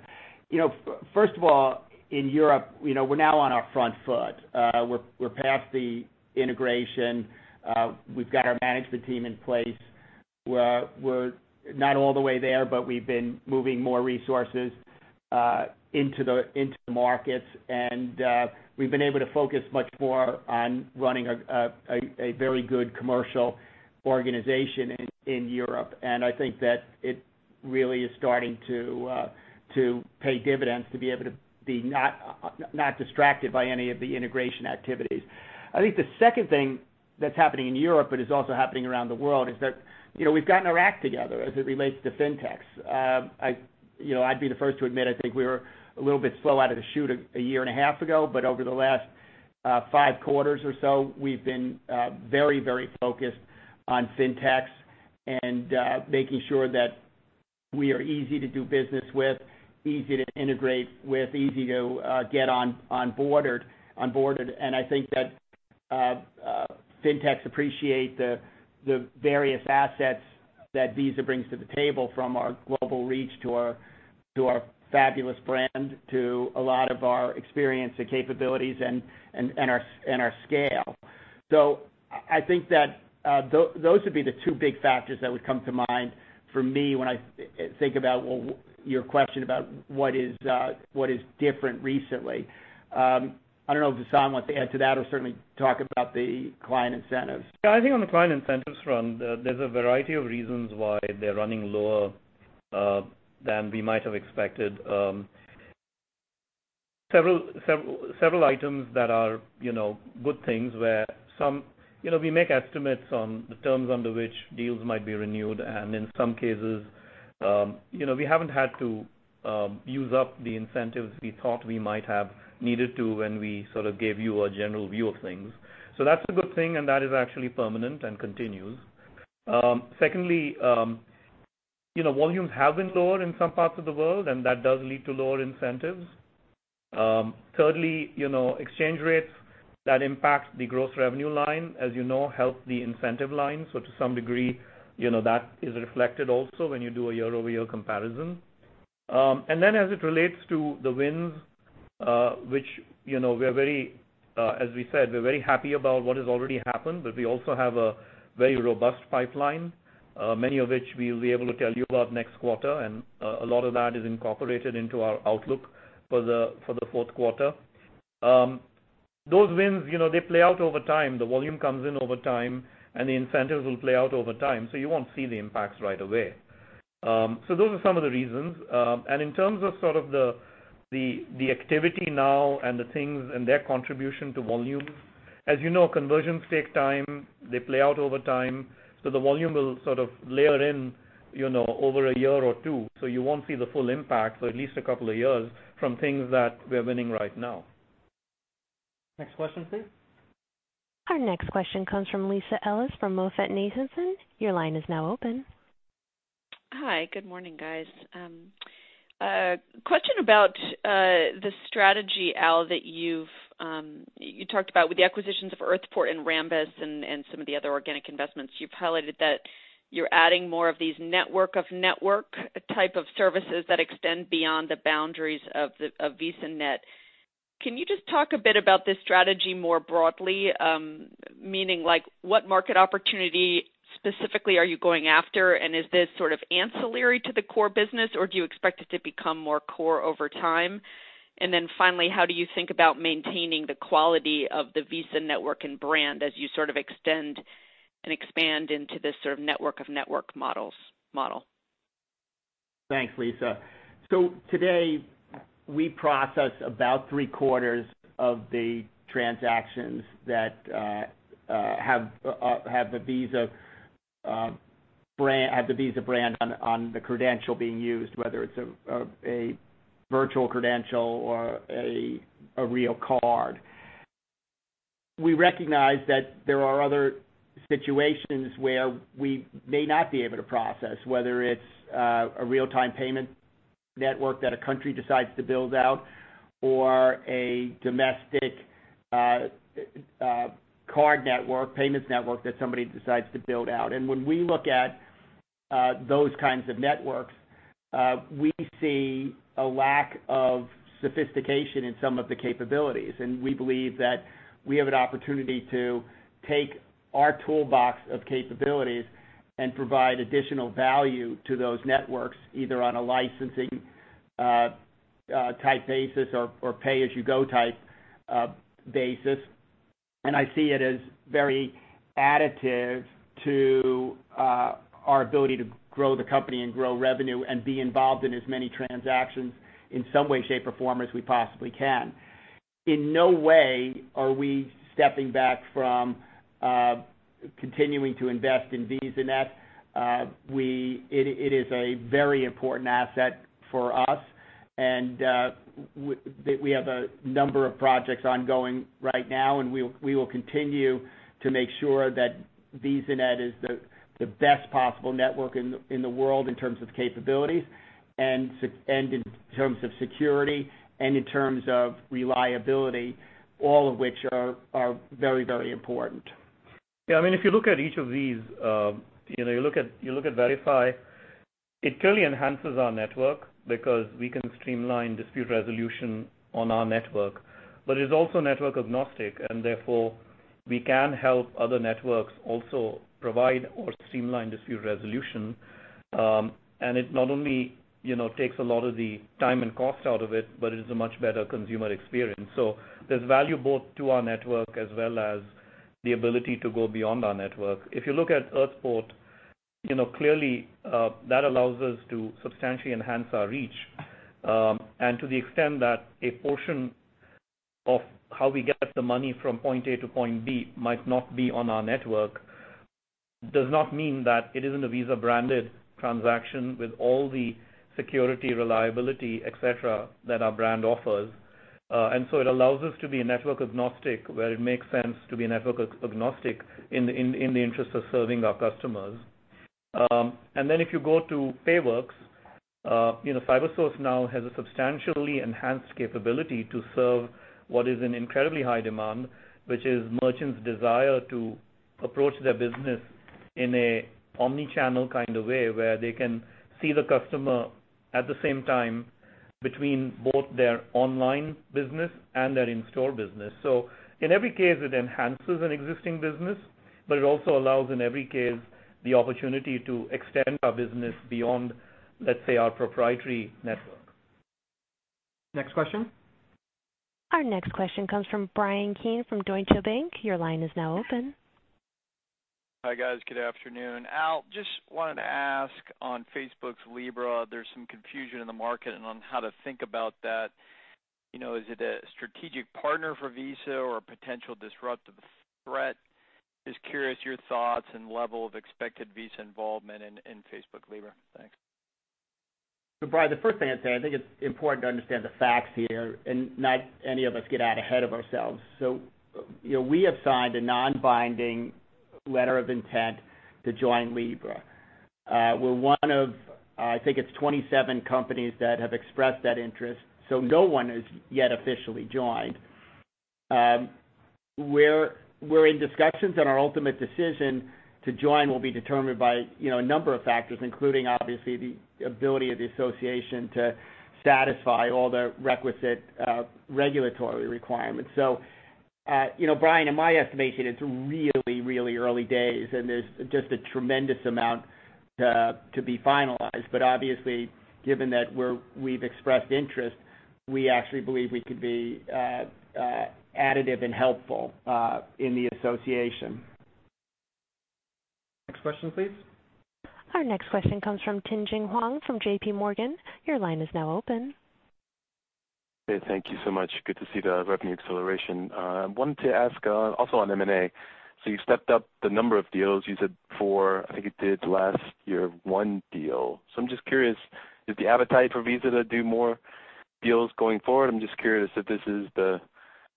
First of all, in Europe, we're now on our front foot. We're past the integration. We've got our management team in place. We're not all the way there, but we've been moving more resources into the markets, and we've been able to focus much more on running a very good commercial organization in Europe. I think that it really is starting to pay dividends to be able to be not distracted by any of the integration activities. I think the second thing that's happening in Europe, but is also happening around the world, is that we've gotten our act together as it relates to fintechs. I'd be the first to admit, I think we were a little bit slow out of the chute a year and a half ago, but over the last 5 quarters or so, we've been very focused on fintechs and making sure that we are easy to do business with, easy to integrate with, easy to get onboarded. I think that fintechs appreciate the various assets that Visa brings to the table, from our global reach to our fabulous brand, to a lot of our experience and capabilities and our scale. I think that those would be the two big factors that would come to mind for me when I think about your question about what is different recently. I don't know if Vasant wants to add to that or certainly talk about the client incentives. Yeah, I think on the client incentives front, there's a variety of reasons why they're running lower than we might have expected. Several items that are good things where we make estimates on the terms under which deals might be renewed, and in some cases we haven't had to use up the incentives we thought we might have needed to when we gave you a general view of things. That's a good thing, and that is actually permanent and continues. Secondly, volumes have been lower in some parts of the world, and that does lead to lower incentives. Thirdly, exchange rates that impact the gross revenue line, as you know, help the incentive line. To some degree, that is reflected also when you do a year-over-year comparison. As it relates to the wins, as we said, we're very happy about what has already happened, but we also have a very robust pipeline, many of which we'll be able to tell you about next quarter. A lot of that is incorporated into our outlook for the fourth quarter. Those wins, they play out over time. The volume comes in over time, and the incentives will play out over time, so you won't see the impacts right away. Those are some of the reasons. In terms of the activity now and the things and their contribution to volume, as you know, conversions take time. They play out over time. The volume will layer in over a year or two. You won't see the full impact for at least a couple of years from things that we're winning right now. Next question, please. Our next question comes from Lisa Ellis from MoffettNathanson. Your line is now open. Hi. Good morning, guys. Question about the strategy, Al, that you talked about with the acquisitions of Earthport and Rambus and some of the other organic investments. You've highlighted that you're adding more of these network of network type of services that extend beyond the boundaries of VisaNet. Can you just talk a bit about this strategy more broadly? Meaning, what market opportunity specifically are you going after, and is this sort of ancillary to the core business, or do you expect it to become more core over time? Then finally, how do you think about maintaining the quality of the Visa network and brand as you sort of extend and expand into this sort of network of network model? Thanks, Lisa. Today, we process about three-quarters of the transactions that have the Visa brand on the credential being used, whether it's a virtual credential or a real card. We recognize that there are other situations where we may not be able to process, whether it's a real-time payment network that a country decides to build out or a domestic card network, payments network that somebody decides to build out. When we look at those kinds of networks, we see a lack of sophistication in some of the capabilities, and we believe that we have an opportunity to take our toolbox of capabilities and provide additional value to those networks, either on a licensing-type basis or pay-as-you-go type basis. I see it as very additive to our ability to grow the company and grow revenue and be involved in as many transactions in some way, shape, or form as we possibly can. In no way are we stepping back from continuing to invest in VisaNet. It is a very important asset for us, and we have a number of projects ongoing right now, and we will continue to make sure that VisaNet is the best possible network in the world in terms of capabilities and in terms of security and in terms of reliability, all of which are very important. Yeah, if you look at each of these, you look at Verifi, it clearly enhances our network because we can streamline dispute resolution on our network. It's also network agnostic, and therefore, we can help other networks also provide or streamline dispute resolution. It not only takes a lot of the time and cost out of it, but it is a much better consumer experience. There's value both to our network as well as the ability to go beyond our network. If you look at Earthport, clearly, that allows us to substantially enhance our reach. To the extent that a portion of how we get the money from point A to point B might not be on our network does not mean that it isn't a Visa-branded transaction with all the security, reliability, et cetera, that our brand offers. It allows us to be network agnostic where it makes sense to be network agnostic in the interest of serving our customers. Then if you go to Payworks, Cybersource now has a substantially enhanced capability to serve what is an incredibly high demand, which is merchants' desire to approach their business in an omni-channel kind of way, where they can see the customer at the same time between both their online business and their in-store business. In every case, it enhances an existing business, but it also allows, in every case, the opportunity to extend our business beyond, let's say, our proprietary network. Next question. Our next question comes from Bryan Keane from Deutsche Bank. Your line is now open. Hi, guys. Good afternoon. Al, just wanted to ask on Facebook's Libra, there's some confusion in the market and on how to think about that. Is it a strategic partner for Visa or a potential disruptive threat? Just curious your thoughts and level of expected Visa involvement in Facebook Libra. Thanks. Bryan, the first thing I'd say, I think it's important to understand the facts here and not any of us get out ahead of ourselves. We have signed a non-binding letter of intent to join Libra. We're one of, I think it's 27 companies that have expressed that interest, so no one has yet officially joined. We're in discussions, and our ultimate decision to join will be determined by a number of factors, including, obviously, the ability of the association to satisfy all the requisite regulatory requirements. Bryan, in my estimation, it's really early days, and there's just a tremendous amount to be finalized. But obviously, given that we've expressed interest, we actually believe we could be additive and helpful in the association. Next question, please. Our next question comes from Tien-Tsin Huang from JPMorgan. Your line is now open. Okay, thank you so much. Good to see the revenue acceleration. Wanted to ask, also on M&A. You've stepped up the number of deals. You said four. I think you did last year one deal. I'm just curious, is the appetite for Visa to do more deals going forward? I'm just curious if this is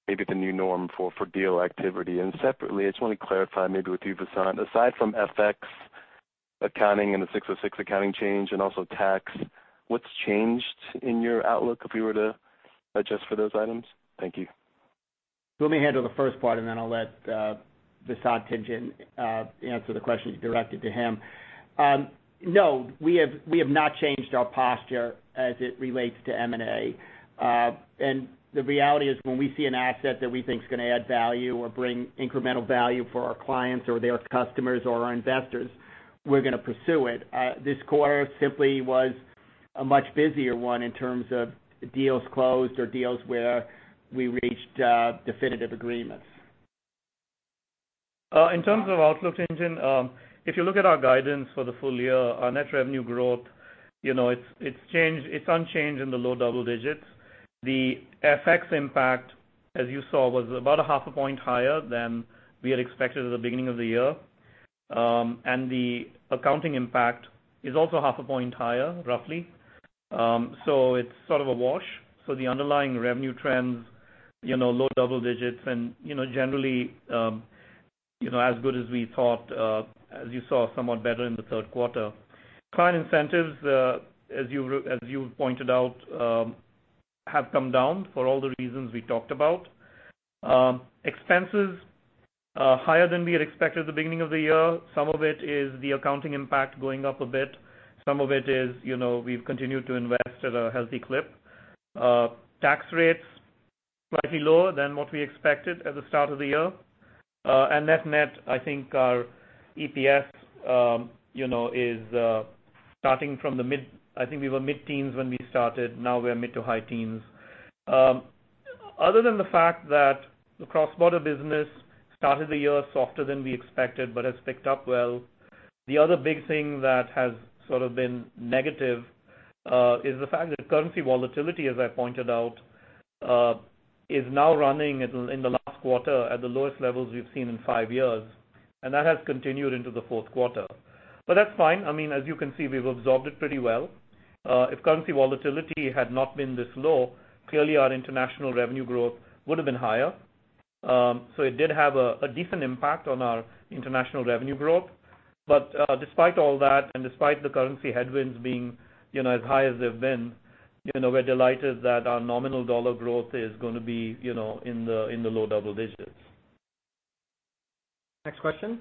maybe the new norm for deal activity. Separately, I just want to clarify maybe with you, Vasant. Aside from FX accounting and the 606 accounting change and also tax, what's changed in your outlook if you were to adjust for those items? Thank you. Let me handle the first part and then I'll let Vasant Tandon answer the question you directed to him. No, we have not changed our posture as it relates to M&A. The reality is when we see an asset that we think is going to add value or bring incremental value for our clients or their customers or our investors, we're going to pursue it. This quarter simply was a much busier one in terms of deals closed or deals where we reached definitive agreements. In terms of outlook engine, if you look at our guidance for the full year, our net revenue growth, it's unchanged in the low double digits. The FX impact, as you saw, was about a half a point higher than we had expected at the beginning of the year. The accounting impact is also half a point higher, roughly. It's sort of a wash. The underlying revenue trends, low double digits and generally, as good as we thought, as you saw, somewhat better in the third quarter. Client incentives, as you pointed out, have come down for all the reasons we talked about. Expenses are higher than we had expected at the beginning of the year. Some of it is the accounting impact going up a bit. Some of it is we've continued to invest at a healthy clip. Tax rates slightly lower than what we expected at the start of the year. Net net, I think our EPS is starting from the mid-teens when we started. Now we're mid to high teens. Other than the fact that the cross-border business started the year softer than we expected but has picked up well, the other big thing that has sort of been negative is the fact that currency volatility, as I pointed out, is now running in the last quarter at the lowest levels we've seen in five years. That has continued into the fourth quarter. That's fine. As you can see, we've absorbed it pretty well. If currency volatility had not been this low, clearly our international revenue growth would have been higher. It did have a decent impact on our international revenue growth. Despite all that and despite the currency headwinds being as high as they've been, we're delighted that our nominal dollar growth is going to be in the low double-digits. Next question.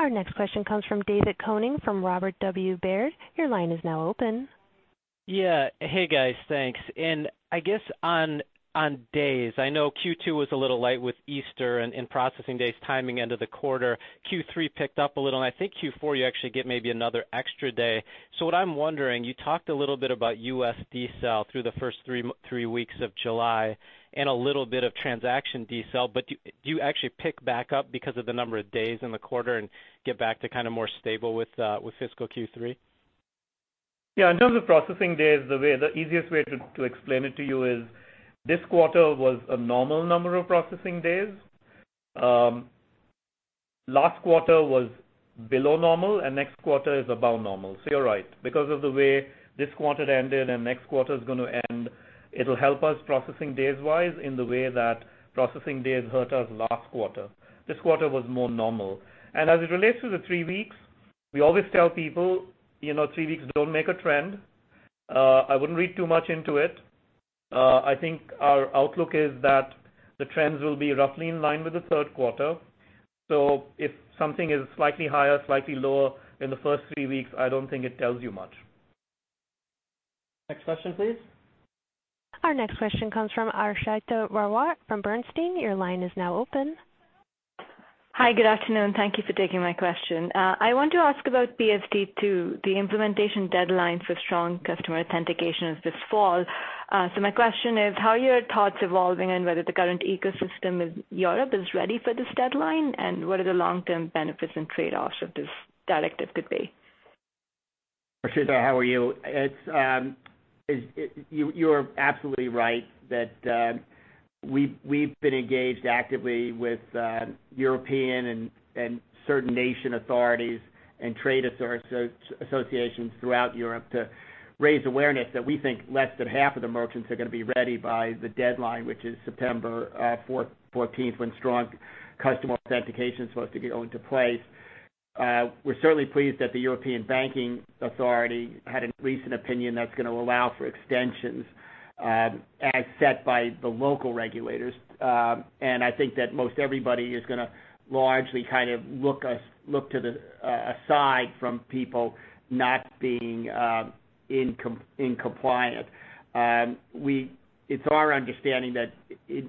Our next question comes from David Koning from Robert W. Baird. Your line is now open. Yeah. Hey guys, thanks. I guess on days, I know Q2 was a little light with Easter and processing days timing end of the quarter. Q3 picked up a little and I think Q4 you actually get maybe another extra day. What I'm wondering, you talked a little bit about U.S. decel through the first three weeks of July and a little bit of transaction decel, but do you actually pick back up because of the number of days in the quarter and get back to kind of more stable with fiscal Q3? Yeah. In terms of processing days, the easiest way to explain it to you is this quarter was a normal number of processing days. Last quarter was below normal and next quarter is above normal. You're right, because of the way this quarter ended and next quarter is going to end, it'll help us processing days-wise in the way that processing days hurt us last quarter. This quarter was more normal. As it relates to the three weeks, we always tell people three weeks don't make a trend. I wouldn't read too much into it. I think our outlook is that the trends will be roughly in line with the third quarter. If something is slightly higher, slightly lower in the first three weeks, I don't think it tells you much. Next question, please. Our next question comes from Harshita Rawat from Bernstein. Your line is now open. Hi. Good afternoon. Thank you for taking my question. I want to ask about PSD2. The implementation deadline for strong customer authentication is this fall. My question is how are your thoughts evolving and whether the current ecosystem in Europe is ready for this deadline and what are the long-term benefits and trade-offs of this directive could be? Harshita, how are you? You are absolutely right that we've been engaged actively with European and certain nation authorities and trade associations throughout Europe to raise awareness that we think less than half of the merchants are going to be ready by the deadline, which is September 14th, when strong customer authentication is supposed to go into place. We're certainly pleased that the European Banking Authority had a recent opinion that's going to allow for extensions as set by the local regulators. I think that most everybody is going to largely kind of look aside from people not being in compliance. It's our understanding that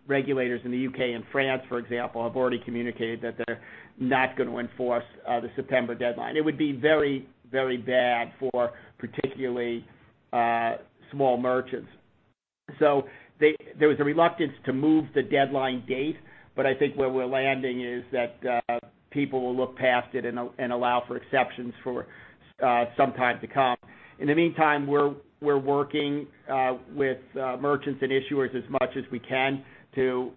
regulators in the U.K. and France, for example, have already communicated that they're not going to enforce the September deadline. It would be very bad for particularly small merchants. There was a reluctance to move the deadline date, but I think where we're landing is that people will look past it and allow for exceptions for some time to come. In the meantime, we're working with merchants and issuers as much as we can to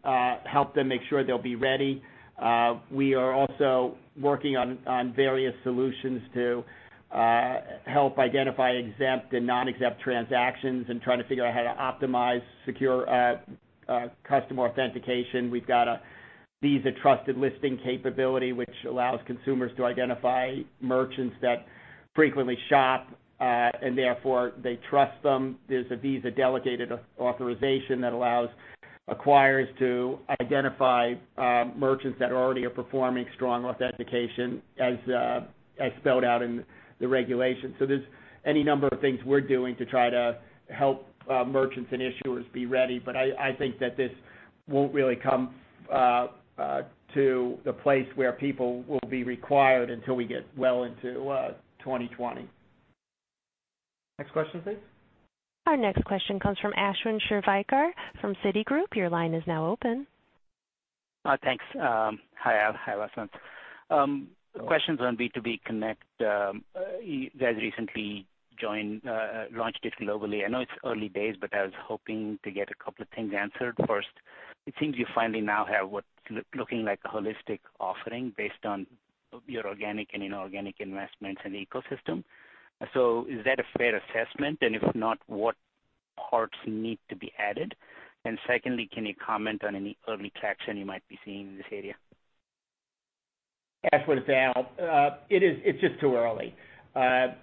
help them make sure they'll be ready. We are also working on various solutions to help identify exempt and non-exempt transactions and trying to figure out how to optimize strong customer authentication. We've got a Visa Trusted Listing capability, which allows consumers to identify merchants that frequently shop, and therefore they trust them. There's a Visa Delegated Authentication that allows acquirers to identify merchants that already are performing strong authentication as spelled out in the regulation. There's any number of things we're doing to try to help merchants and issuers be ready. I think that this won't really come to the place where people will be required until we get well into 2020. Next question, please. Our next question comes from Ashwin Shirvaikar from Citigroup. Your line is now open. Thanks. Hi, Al. Hi, Vasant. Questions on B2B Connect. You guys recently launched it globally. I know it's early days, but I was hoping to get a couple of things answered. First, it seems you finally now have what's looking like a holistic offering based on your organic and inorganic investments in the ecosystem. Is that a fair assessment, and if not, what parts need to be added? Secondly, can you comment on any early traction you might be seeing in this area? Ashwin, it's Al. It's just too early.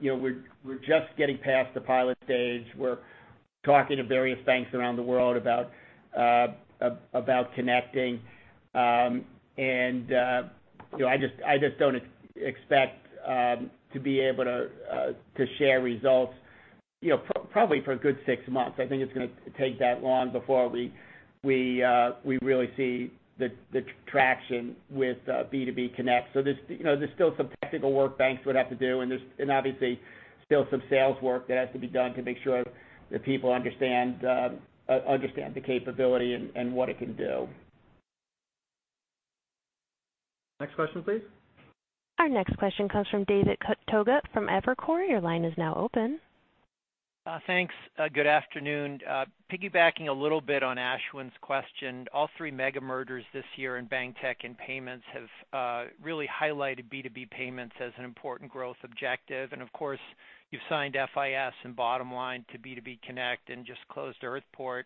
We're just getting past the pilot stage. We're talking to various banks around the world about connecting. I just don't expect to be able to share results probably for a good six months. I think it's going to take that long before we really see the traction with B2B Connect. There's still some technical work banks would have to do, and obviously still some sales work that has to be done to make sure that people understand the capability and what it can do. Next question, please. Our next question comes from David Togut from Evercore. Your line is now open. Thanks. Good afternoon. Piggybacking a little bit on Ashwin's question, all three mega mergers this year in bank tech and payments have really highlighted B2B payments as an important growth objective. Of course, you've signed FIS and Bottomline to B2B Connect and just closed Earthport.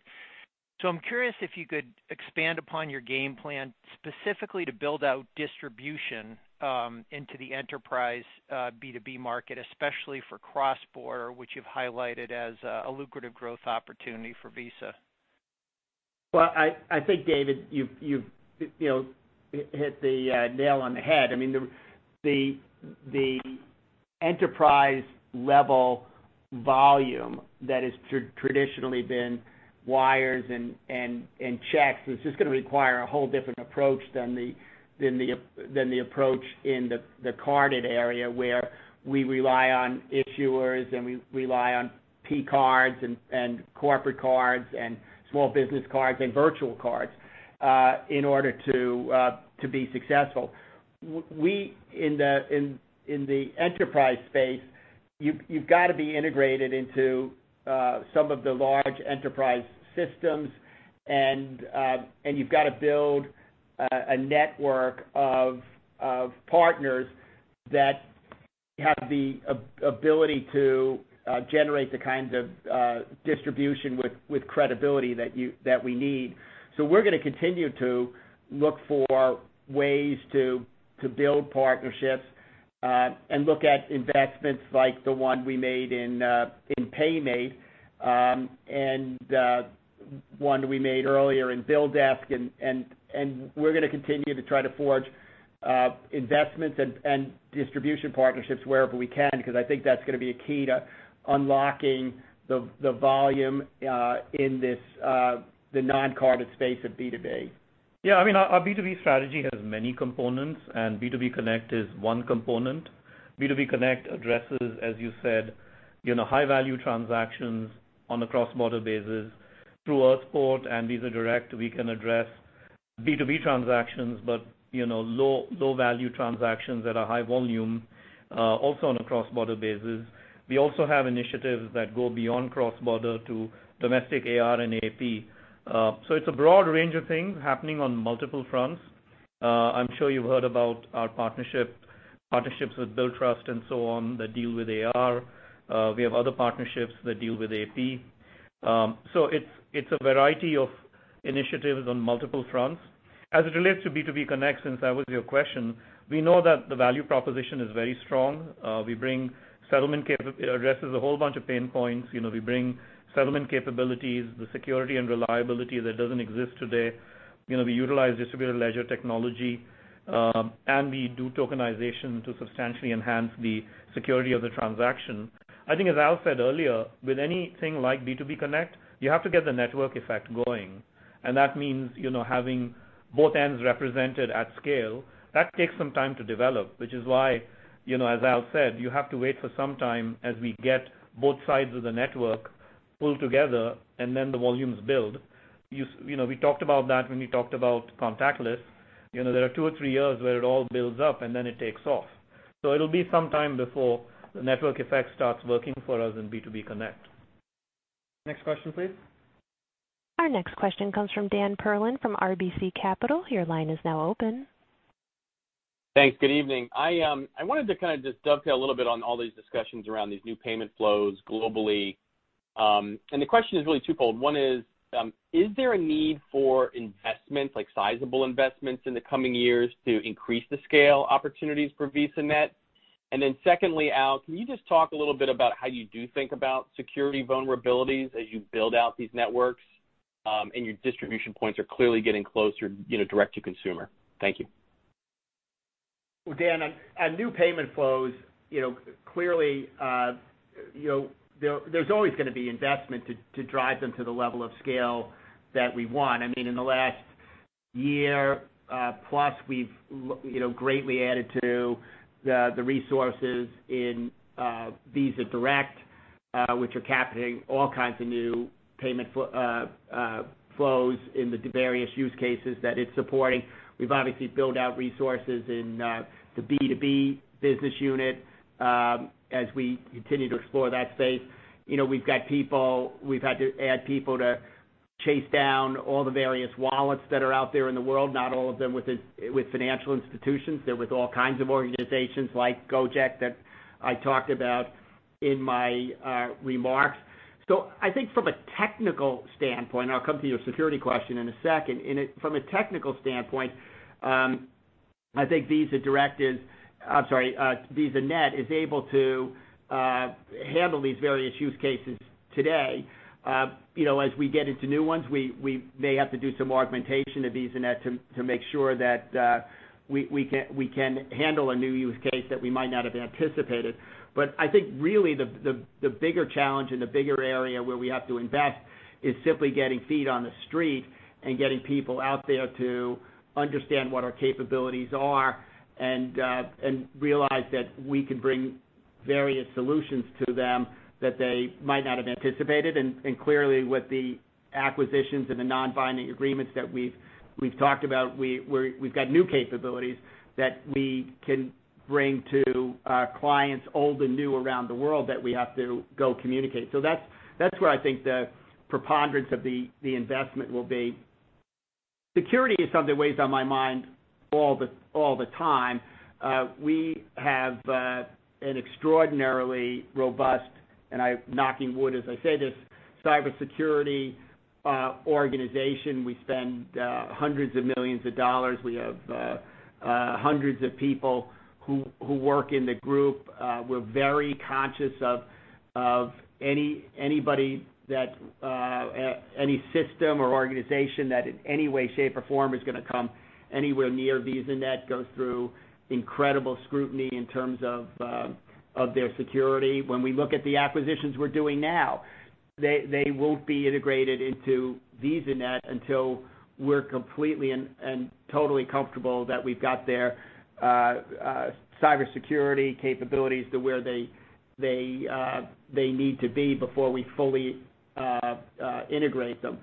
I'm curious if you could expand upon your game plan specifically to build out distribution into the enterprise B2B market, especially for cross-border, which you've highlighted as a lucrative growth opportunity for Visa. Well, I think, David, you've hit the nail on the head. I mean, the enterprise-level volume that has traditionally been wires and checks is just going to require a whole different approach than the approach in the carded area, where we rely on issuers, and we rely on P-cards and corporate cards and small business cards and virtual cards in order to be successful. We, in the enterprise space, you've got to be integrated into some of the large enterprise systems, and you've got to build a network of partners that have the ability to generate the kinds of distribution with credibility that we need. We're going to continue to look for ways to build partnerships and look at investments like the one we made in PayMate and one we made earlier in BillDesk, and we're going to continue to try to forge investments and distribution partnerships wherever we can, because I think that's going to be a key to unlocking the volume in the non-carded space of B2B. Our B2B strategy has many components, and B2B Connect is one component. B2B Connect addresses, as you said, high-value transactions on a cross-border basis through Earthport and Visa Direct. We can address B2B transactions, but low-value transactions that are high volume also on a cross-border basis. We also have initiatives that go beyond cross-border to domestic AR and AP. It's a broad range of things happening on multiple fronts. I'm sure you've heard about our partnerships with Billtrust and so on that deal with AR. We have other partnerships that deal with AP. It's a variety of initiatives on multiple fronts. As it relates to B2B Connect, since that was your question, we know that the value proposition is very strong. It addresses a whole bunch of pain points. We bring settlement capabilities, the security and reliability that doesn't exist today. We utilize distributed ledger technology, and we do tokenization to substantially enhance the security of the transaction. I think as Al said earlier, with anything like B2B Connect, you have to get the network effect going, and that means having both ends represented at scale. That takes some time to develop, which is why, as Al said, you have to wait for some time as we get both sides of the network pulled together, and then the volumes build. We talked about that when we talked about contactless. There are two or three years where it all builds up, and then it takes off. It'll be some time before the network effect starts working for us in B2B Connect. Next question, please. Our next question comes from Dan Perlin from RBC Capital. Your line is now open. Thanks. Good evening. I wanted to kind of just dovetail a little bit on all these discussions around these new payment flows globally. The question is really twofold. One is there a need for investments, like sizable investments, in the coming years to increase the scale opportunities for VisaNet? Secondly, Al, can you just talk a little bit about how you do think about security vulnerabilities as you build out these networks? Your distribution points are clearly getting closer direct to consumer. Thank you. Well, Dan, on new payment flows, clearly, there's always going to be investment to drive them to the level of scale that we want. In the last year plus, we've greatly added to the resources in Visa Direct, which are capturing all kinds of new payment flows in the various use cases that it's supporting. We've obviously built out resources in the B2B business unit as we continue to explore that space. We've had to add people to chase down all the various wallets that are out there in the world, not all of them with financial institutions. They're with all kinds of organizations like Gojek that I talked about in my remarks. I think from a technical standpoint, I'll come to your security question in a second, from a technical standpoint, I think VisaNet is able to handle these various use cases today. As we get into new ones, we may have to do some augmentation of VisaNet to make sure that we can handle a new use case that we might not have anticipated. I think really the bigger challenge and the bigger area where we have to invest is simply getting feet on the street and getting people out there to understand what our capabilities are and realize that we can bring various solutions to them that they might not have anticipated. Clearly, with the acquisitions and the non-binding agreements that we've talked about, we've got new capabilities that we can bring to our clients, old and new, around the world that we have to go communicate. That's where I think the preponderance of the investment will be. Security is something that weighs on my mind all the time. We have an extraordinarily robust, and I'm knocking wood as I say this, cybersecurity organization. We spend hundreds of millions of dollars. We have hundreds of people who work in the group. We're very conscious of any system or organization that in any way, shape, or form is going to come anywhere near VisaNet goes through incredible scrutiny in terms of their security. When we look at the acquisitions we're doing now, they won't be integrated into VisaNet until we're completely and totally comfortable that we've got their cybersecurity capabilities to where they need to be before we fully integrate them.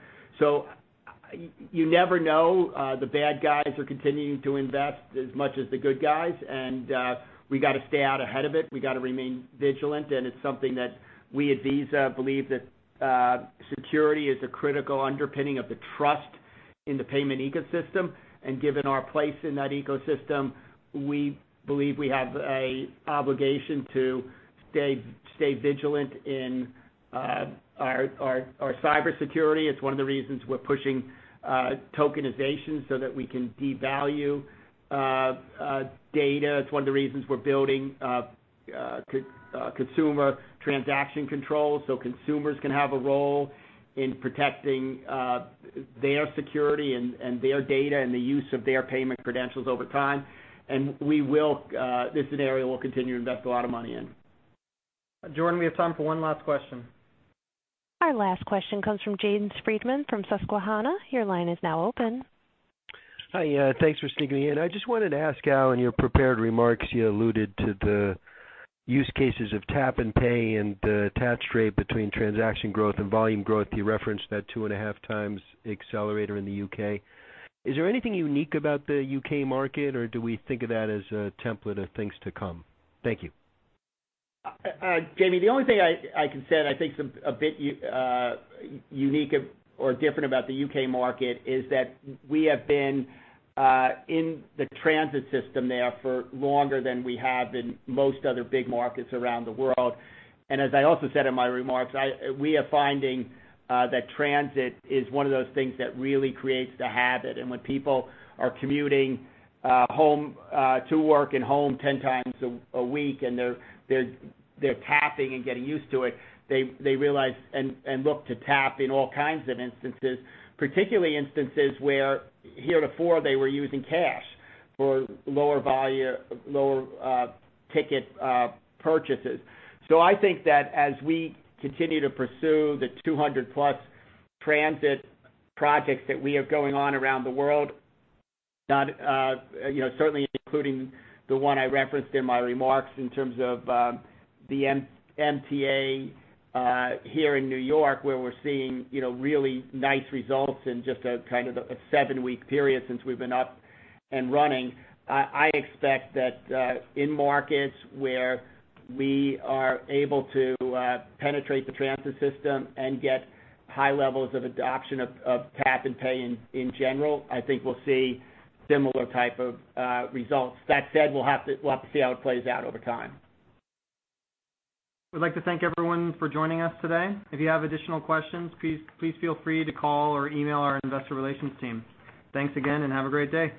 You never know. The bad guys are continuing to invest as much as the good guys, and we got to stay out ahead of it. We got to remain vigilant. It's something that we at Visa believe that security is a critical underpinning of the trust in the payment ecosystem. Given our place in that ecosystem, we believe we have an obligation to stay vigilant in our cybersecurity. It's one of the reasons we're pushing tokenization so that we can devalue data. It's one of the reasons we're building consumer transaction controls so consumers can have a role in protecting their security and their data and the use of their payment credentials over time. It's an area we'll continue to invest a lot of money in. Jordan, we have time for one last question. Our last question comes from James Friedman from Susquehanna. Your line is now open. Hi. Thanks for sneaking me in. I just wanted to ask Al, in your prepared remarks, you alluded to the use cases of tap and pay and the attach rate between transaction growth and volume growth. You referenced that two and a half times accelerator in the U.K. Is there anything unique about the U.K. market, or do we think of that as a template of things to come? Thank you. Jamie, the only thing I can say that I think is a bit unique or different about the U.K. market is that we have been in the transit system there for longer than we have in most other big markets around the world. As I also said in my remarks, we are finding that transit is one of those things that really creates the habit. When people are commuting to work and home 10x a week, and they're tapping and getting used to it, they realize and look to tap in all kinds of instances, particularly instances where heretofore they were using cash for lower ticket purchases. I think that as we continue to pursue the 200+ transit projects that we have going on around the world, certainly including the one I referenced in my remarks in terms of the MTA here in New York, where we're seeing really nice results in just a kind of a seven-week period since we've been up and running. I expect that in markets where we are able to penetrate the transit system and get high levels of adoption of tap and pay in general, I think we'll see similar type of results. That said, we'll have to see how it plays out over time. We'd like to thank everyone for joining us today. If you have additional questions, please feel free to call or email our investor relations team. Thanks again, and have a great day.